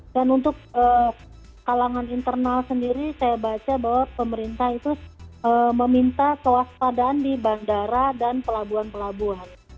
dan untuk kalangan internal sendiri saya baca bahwa pemerintah itu meminta kewaspadaan di bandara dan pelabuhan pelabuhan